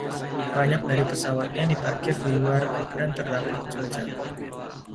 Banyak dari pesawatnya diparkir di luar dan terdampak cuaca.